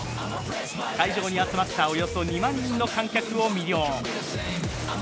会場に集まったおよそ２万人の観客を魅了。